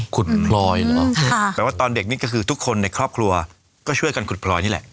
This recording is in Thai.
หมายความว่าตอนเด็กนี้คือทุกคนในครอบครัวก็ช่วยกันขุดพลอยนี่แหละ